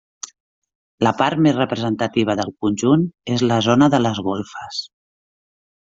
La part més representativa del conjunt és la zona de les golfes.